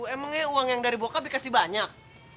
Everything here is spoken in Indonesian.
emangnya uang yang dari bokap dikasih banyak